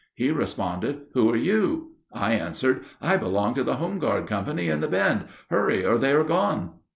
He responded, "Who are you?" I answered, "I belong to the home guard company in the bend: hurry, or they are gone."